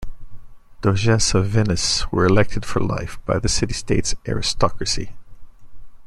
Doges of Venice were elected for life by the city-state's aristocracy.